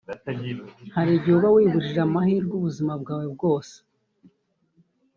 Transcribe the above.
hari igihe uba wibujije amahirwe ubuzima bwawe bwose